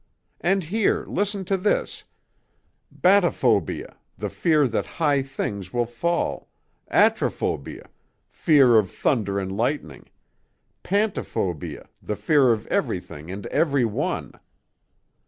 And here, listen to this, 'batophobia, the fear that high things will fall, atrophobia, fear of thunder and lightning, pantophobia, the fear of every thing and every one'....